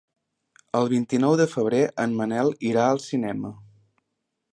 El vint-i-nou de febrer en Manel irà al cinema.